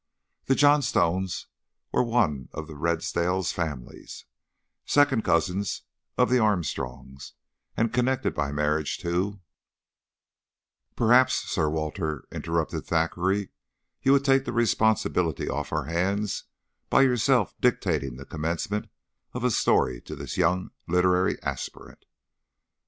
The Johnstones were one of the Redesdale families, second cousins of the Armstrongs, and connected by marriage to " "Perhaps, Sir Walter," interrupted Thackeray, "you would take the responsibility off our hands by yourself dictating the commencement of a story to this young literary aspirant."